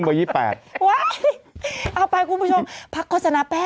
ไว้เอาไปคุณผู้ชมพักโฆษณาแป๊บนึงค่ะ